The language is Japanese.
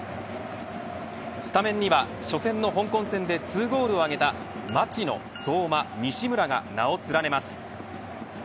スタメンには初戦の香港戦で２ゴールを挙げた町野、相馬、西村が名を連ねます。